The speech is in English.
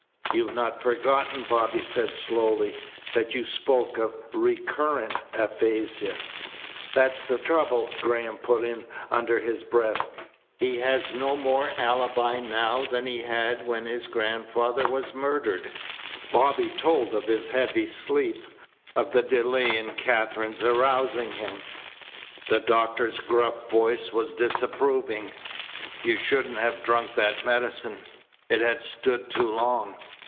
"You've not forgotten," Bobby said slowly, "that you spoke of a recurrent aphasia." "That's the trouble," Graham put in under his breath. "He has no more alibi now than he had when his grandfather was murdered." Bobby told of his heavy sleep, of the delay in Katherine's arousing him. The doctor's gruff voice was disapproving. "You shouldn't have drunk that medicine. It had stood too long.